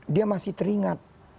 dia masih teringat